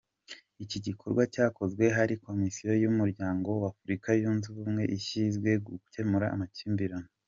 Iki gikorwa cyakozwe hari komisiyo y’umuryango w’Afurika yunze ubumwe ishyinzwe gukemura amakimbirane.